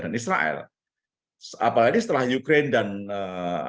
dan itu adalah persoalan yang terjadi di palestina dan israel